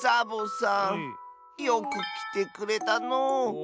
よくきてくれたのう。